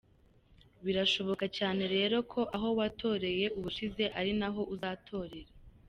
Birashoboka cyane rero ko aho watoreye ubushize ari naho uzatorera.